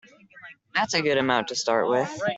That's a good amount to start with.